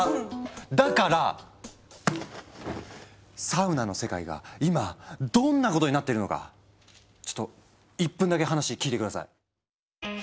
だからサウナの世界が今どんなことになってるのかちょっと１分だけ話聞いて下さい。